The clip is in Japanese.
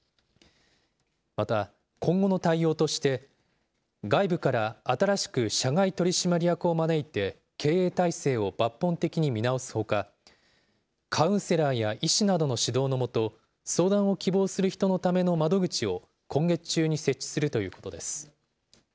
また、今後の対応として、外部から新しく社外取締役を招いて経営体制を抜本的に見直すほか、カウンセラーや医師などの指導の下、相談を希望する人のための窓口を今月中に設置するということです。